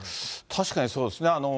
確かにそうですね。